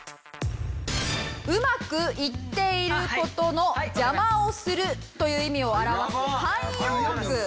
うまくいっている事の邪魔をするという意味を表す慣用句。